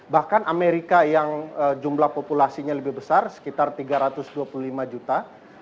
bahkan amerika yang jumlah populasinya lebih besar sekitar tiga ratus dua puluh lima juta